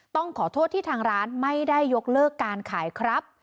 ต้องขอโทษที่ทางร้านไม่ได้ยกเลิกการขายครับ